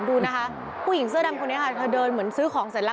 ดูนะคะผู้หญิงเสื้อดำคนนี้ค่ะเธอเดินเหมือนซื้อของเสร็จแล้ว